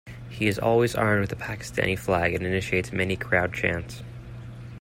He is always armed with a Pakistani flag and initiates many crowd chants.